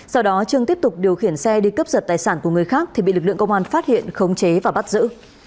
sau đó trương tiếp tục điều khiển xe đi cướp giật tài sản của người khác thì bị lực lượng công an phát hiện khống chế và bắt giữ